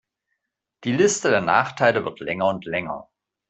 Die Liste der Nachteile wird länger und länger.